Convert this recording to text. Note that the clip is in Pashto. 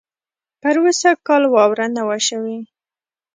پروسږ کال واؤره نۀ وه شوې